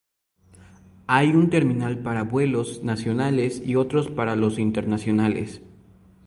Hay un terminal para vuelos nacionales y otros para los internacionales.